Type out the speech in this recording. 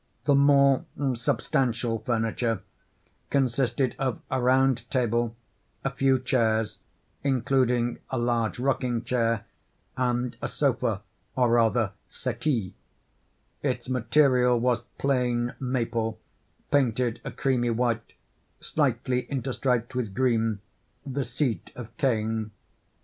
The more substantial furniture consisted of a round table, a few chairs (including a large rocking chair), and a sofa, or rather "settee;" its material was plain maple painted a creamy white, slightly interstriped with green; the seat of cane.